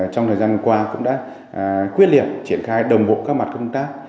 trong thời gian qua cũng đã quyết liệt triển khai đồng bộ các mặt công tác